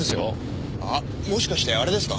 あっもしかしてあれですか？